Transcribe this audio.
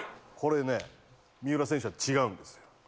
これね三浦選手は違うんですよ。